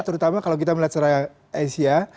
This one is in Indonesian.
terutama kalau kita melihat secara asia